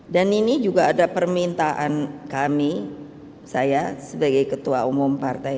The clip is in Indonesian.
dan ini juga ada permintaan kami saya sebagai ketua umum partai